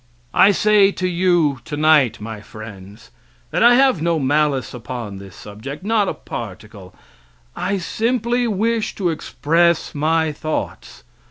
I say to you tonight, my friends, that I have no malice upon this subject not a particle; I simply wish to express my thoughts.